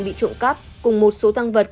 bị trộm cắp cùng một số thăng vật